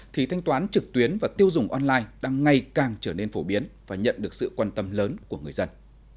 thì thanh toán trực tuyến và tiêu dùng online đang ngày càng trở nên phổ biến và nhận được sự quan tâm lớn của người dân